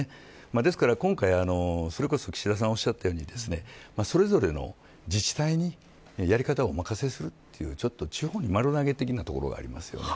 ですから今回岸田さんおっしゃったようにそれぞれの自治体にやり方をお任せするという地方に丸投げみたいなところがありますよね。